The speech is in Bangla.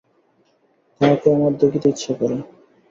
তাহাকে আমার দেখিতে ইচ্ছা করে।